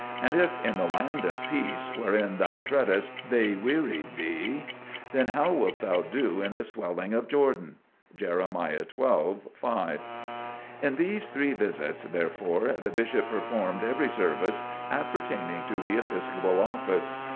and if in the land of peace, wherein thou trustedst they wearied thee, then how wilt thou do in the swelling of Jordan?" (Jeremiah xii: 5.) In these three visits, therefore, the Bishop performed every service appertaining to the Episcopal office.